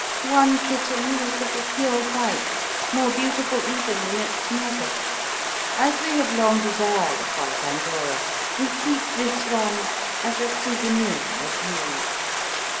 One kitten was of a pure white, more beautiful even than its mother. As we have long desired a white angora, we keep this one as a souvenir of you.